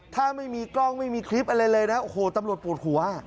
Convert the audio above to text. ถ้าไม่มีกล้องไม่มีคลิปอะเลยเลยนะครับอ่ะโหตำรวจโปรดหัว